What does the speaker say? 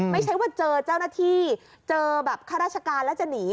ไม่ใช่ว่าเจอเจ้าหน้าที่เจอแบบข้าราชการแล้วจะหนี